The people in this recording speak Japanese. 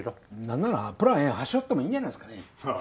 なんならプランＡははしょってもいいんじゃないですかね。